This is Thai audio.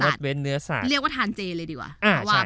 งดเว้นเนื้อสัตว์เรียกว่าทานเจเลยดีกว่าอ่าใช่ใช่